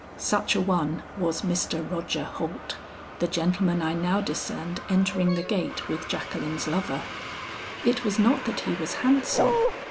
Such a one was Mr. Roger Holt, the gentleman I now discerned entering the gate with Jacqueline's lover. It was not that he was handsome.